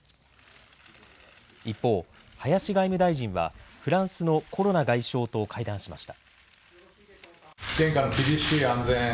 一方、林外務大臣はフランスのコロナ外相と会談しました。